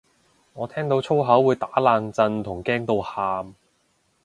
我聽到粗口會打冷震同驚到喊